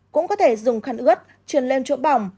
cũng có thể dùng khăn ướt chuyển lên chỗ bỏng